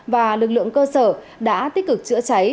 và lực lượng cơ sở đã tích cực chữa cháy